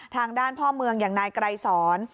ทางด้านพ่อเมืองอย่างนายไกรสอน